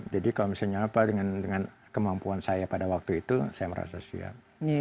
jadi kalau misalnya apa dengan kemampuan saya pada waktu itu saya merasa siap